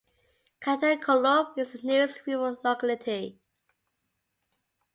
Khantakolob is the nearest rural locality.